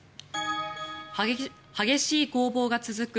激しい攻防が続く